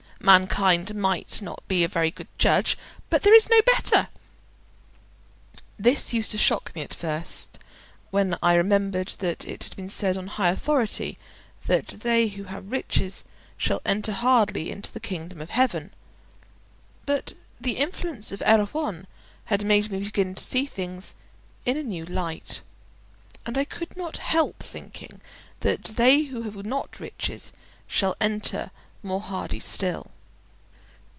Mankind may not be a very good judge, but there is no better." This used to shock me at first, when I remembered that it had been said on high authority that they who have riches shall enter hardly into the kingdom of heaven; but the influence of Erewhon had made me begin to see things in a new light, and I could not help thinking that they who have not riches shall enter more hardly still.